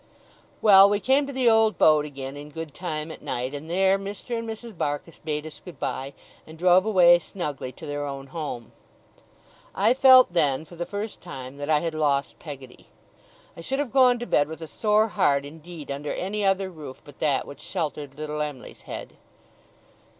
Well, we came to the old boat again in good time at night; and there Mr. and Mrs. Barkis bade us good bye, and drove away snugly to their own home. I felt then, for the first time, that I had lost Peggotty. I should have gone to bed with a sore heart indeed under any other roof but that which sheltered little Em'ly's head.